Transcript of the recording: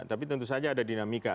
tapi tentu saja ada dinamika